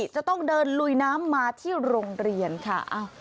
จะต้องเดินลุยน้ำมาที่โรงเรียนค่ะ